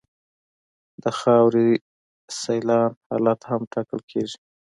د خاورې سیلان حالت هم ټاکل کیږي